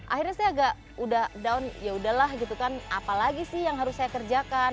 akhirnya saya agak udah down ya udahlah gitu kan apalagi sih yang harus saya kerjakan